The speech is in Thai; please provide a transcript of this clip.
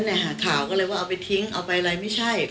แหละหาข่าวก็เลยว่าเอาไปทิ้งเอาไปอะไรไม่ใช่